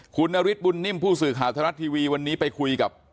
คุณนฤทธบุญนิ่มผู้สื่อข่าวทรัฐทีวีวันนี้ไปคุยกับ